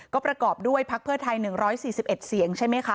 ก็ประกอบด้วยพักเพื่อไทย๑๔๑เสียงใช่ไหมคะ